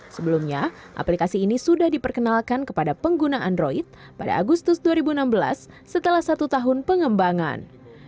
sebelumnya aplikasi ini sudah diperkenalkan kepada pengguna android pada agustus dua ribu enam belas setelah satu tahun pengembangan